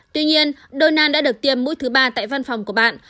tuy nhiên donald đã được tiêm mũi thứ ba tại văn phòng của bạn